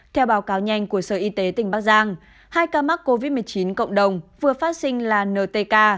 theo báo cáo nhanh của sở y tế tỉnh bắc giang hai ca mắc covid một mươi chín cộng đồng vừa phát sinh là ntk